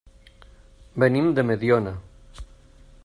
Venim de Mediona.